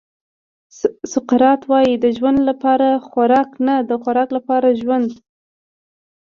سقراط وایي د ژوند لپاره خوراک نه د خوراک لپاره ژوند.